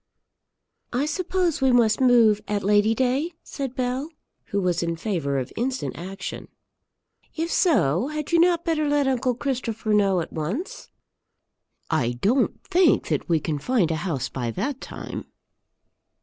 "I suppose we must move at Lady day?" said Bell, who was in favour of instant action. "If so, had you not better let uncle Christopher know at once?" "I don't think that we can find a house by that time."